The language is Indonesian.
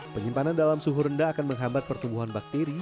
penyimpanan dalam suhu rendah akan menghambat pertumbuhan bakteri